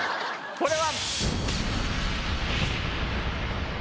これは。